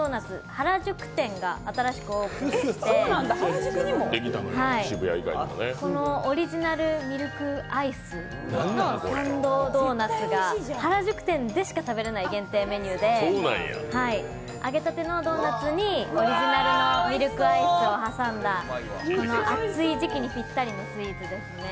原宿店が新しくオープンしてオリジナルミルクアイスのサンドドーナツが原宿店でした食べられない限定メニューで揚げたてのドーナツにオリジナルのミルクアイスを挟んだ暑い時期にぴったりのスイーツですね。